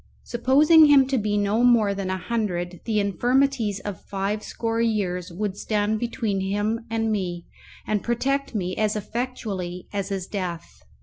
Supposing him to be no more than a hundred, the infirmities of five score years would stand between him and me, and protect me as effectually as his death.